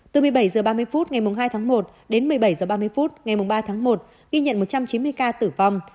từ một mươi bảy h ba mươi phút ngày hai tháng một đến một mươi bảy h ba mươi phút ngày ba tháng một ghi nhận một trăm chín mươi ca tử vong